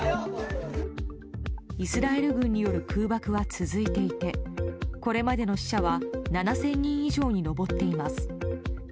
イスラエル軍による空爆は続いていてこれまでの死者は７０００人以上に上っています。